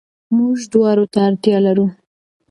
موږ دواړو ته اړتيا لرو.